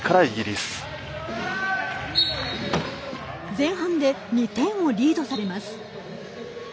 前半で２点をリードされます。